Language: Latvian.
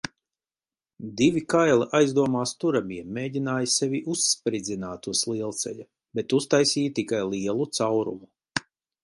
Divi kaili aizdomās turamie mēģināja sevi uzspridzināt uz lielceļa, bet uztaisīja tikai lielu caurumu.